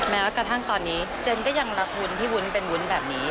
แม้กระทั่งตอนนี้เจนก็ยังรักวุ้นที่วุ้นเป็นวุ้นแบบนี้